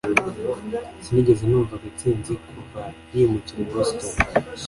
Sinigeze numva Gatsinzi kuva yimukira i Boston